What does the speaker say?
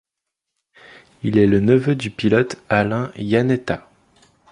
Il est le neveu du pilote Alain Iannetta.